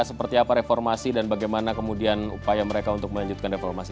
seperti apa reformasi dan bagaimana kemudian upaya mereka untuk melanjutkan reformasi